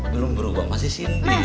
belum berubah masih cindy